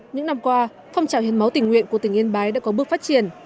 những năm qua phong trào hiến máu tỉnh nguyện của tỉnh yên bái đã có bước phát triển